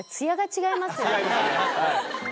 違いますねはい。